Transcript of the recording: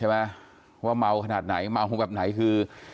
ว่าเมาขนาดไหนเมาแบบไหนคือ